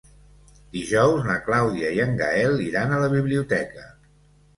Dijous na Clàudia i en Gaël iran a la biblioteca.